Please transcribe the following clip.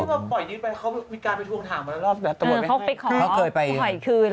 ก็คือว่าปล่อยนี้ไปเขาวิการไปทวงถามมาแล้ว